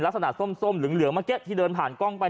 ลักษณะส้มหลึงเหลืองเมื่อกี้ที่เดินผ่านกล้องไป